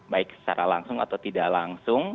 baik secara langsung atau tidak langsung